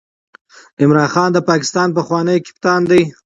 عمران خان د پاکستان پخوانی کپتان دئ.